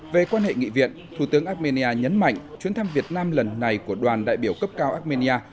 về quan hệ nghị viện thủ tướng armenia nhấn mạnh chuyến thăm việt nam lần này của đoàn đại biểu cấp cao armenia